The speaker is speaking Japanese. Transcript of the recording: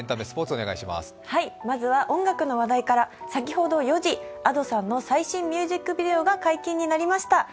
まずは音楽の話題から、先ほど４時Ａｄｏさんの最新ミュージックビデオが解禁となりました。